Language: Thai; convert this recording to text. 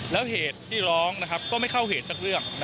แล้วเหตุที่ร้องก็ไม่เข้าเหตุสักเรื่องนะครับ